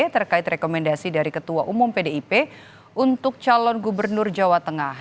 terkait rekomendasi dari ketua umum pdip untuk calon gubernur jawa tengah